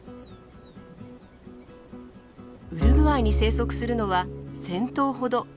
ウルグアイに生息するのは１，０００頭ほど。